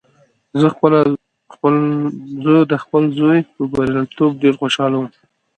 زه د خپل زوی په بریالیتوب ډېر خوشحاله وم